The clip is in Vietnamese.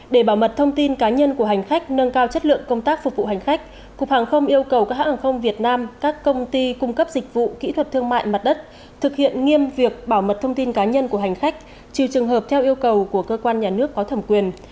để bảo mật thông tin cá nhân của hành khách nâng cao chất lượng công tác phục vụ hành khách cục hàng không yêu cầu các hãng hàng không việt nam các công ty cung cấp dịch vụ kỹ thuật thương mại mặt đất thực hiện nghiêm việc bảo mật thông tin cá nhân của hành khách trừ trường hợp theo yêu cầu của cơ quan nhà nước có thẩm quyền